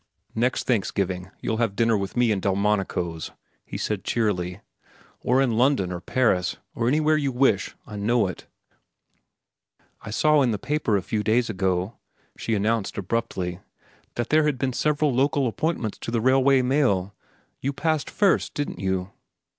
"Next Thanksgiving you'll have dinner with me in Delmonico's," he said cheerily; "or in London, or Paris, or anywhere you wish. I know it." "I saw in the paper a few days ago," she announced abruptly, "that there had been several local appointments to the Railway Mail. You passed first, didn't you?"